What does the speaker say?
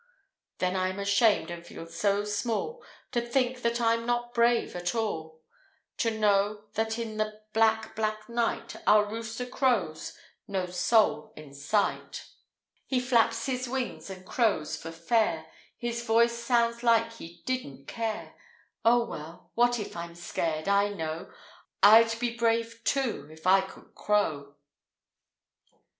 Then I'm ashamed, and feel so small To think that I'm not brave at all; To know that in the black, black night, Our rooster crows no soul in sight. He flaps his wings and crows for fair; His voice sounds like he didn't care Oh, well, what if I'm scared I know I'd be brave, too, if I could crow!